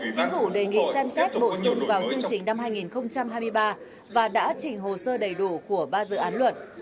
chính phủ đề nghị xem xét bổ sung vào chương trình năm hai nghìn hai mươi ba và đã chỉnh hồ sơ đầy đủ của ba dự án luật